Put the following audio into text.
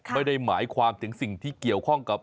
ไม่ได้หมายความถึงสิ่งที่เกี่ยวข้องกับ